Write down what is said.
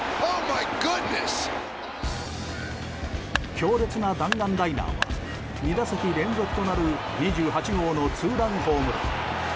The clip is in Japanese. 強烈な弾丸ライナーは２打席連続となる２８号のツーランホームラン。